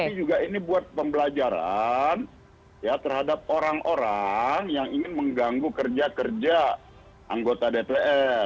tapi juga ini buat pembelajaran terhadap orang orang yang ingin mengganggu kerja kerja anggota dpr